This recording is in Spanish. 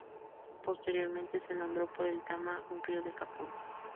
Posteriormente se nombró por el Tama, un río de Japón.